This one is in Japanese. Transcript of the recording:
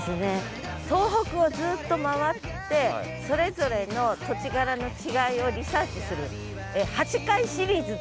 東北をずっと回ってそれぞれの土地柄の違いをリサーチする８回シリーズどうでしょうね。